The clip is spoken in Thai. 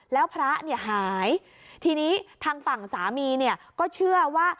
แล้วพระหายทีนี้ทางฝั่งสามีก็เชื่อว่า